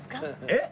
えっ？